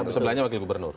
sebelahnya wakil gubernur